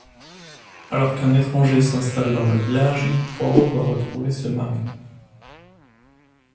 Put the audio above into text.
Alors qu'un étranger s'installe dans le village, Poirot doit retrouver ce mari.